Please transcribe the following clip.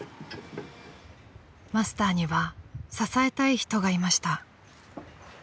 ［マスターには支えたい人がいました］